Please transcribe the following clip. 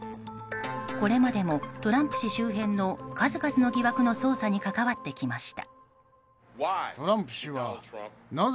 これまでもトランプ氏周辺の数々の疑惑の捜査に関わってきました。